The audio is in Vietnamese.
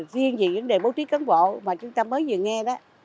riêng về vấn đề bố trí cán bộ mà chúng ta mới vừa nghe đó